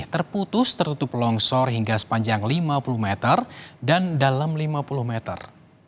terputus tertutup longsor hingga sepanjang lima puluh meter dan dalam lima puluh meter